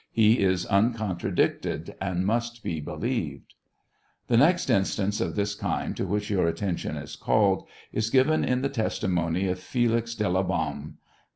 He is uncontradicted, and must be believed. The next instance of this kind to which your attention is called is given in the testimony of Felix Do la Baum, (p.